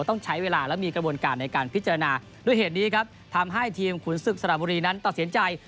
ต้องใช้เวลาและมีกระบวนการในการพิจารณาด้วยเหตุนี้ครับทำให้ทีมขุนศึกสระบุรีนั้นตัดสินใจ